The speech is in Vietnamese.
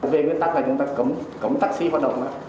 về nguyên tắc là chúng ta cấm taxi hoạt động